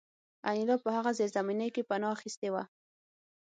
انیلا په هغه زیرزمینۍ کې پناه اخیستې وه